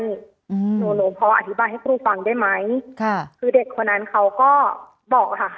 หนูหนูพออธิบายให้ครูฟังได้ไหมค่ะคือเด็กคนนั้นเขาก็บอกค่ะ